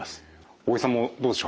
大江さんもどうでしょう？